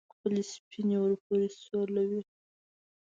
خپلې سینې ور پورې سولوي.